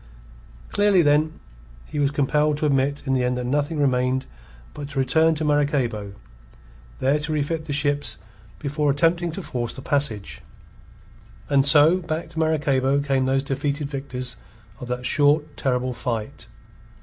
Clearly, then, he was compelled to admit in the end that nothing remained but to return to Maracaybo, there to refit the ships before attempting to force the passage. And so, back to Maracaybo came those defeated victors of that short, terrible fight.